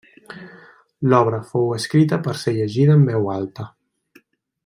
L'obra fou escrita per ser llegida en veu alta.